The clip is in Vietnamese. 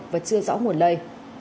và chưa rõ nguồn lây